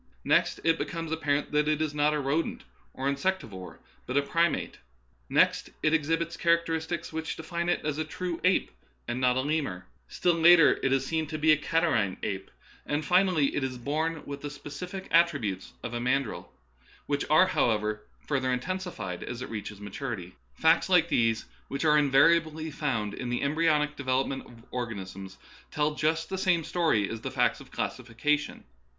Next it becomes ap parent that it is not a rodent or insectivore, but a primate ; next, it exhibits characteristics which define it as a true ape, and not a lemur ; still later, it is seen to be a catarrhine ape ; and finally, it Darwinism Verified. 25 is born witli the specific attributes of a mandril, which are, however, further intensified as it reaches maturity. Facts like these, which are invariably found in the embryonic development of organisms, tell just the same story as the facts of classification.